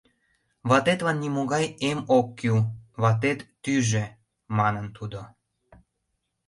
— Ватетлан нимогай эм ок кӱл, ватет тӱжӧ, — манын тудо.